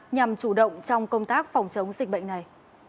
nhằm chủ động trong công tác phòng chống dịch bệnh này